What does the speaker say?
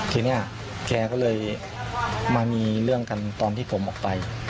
ทีนี้แกก็เลยมามีเรื่องกันตอนที่ผมออกไป